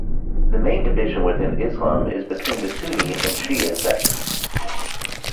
The main division within Islam is between the Sunni and Shia sects.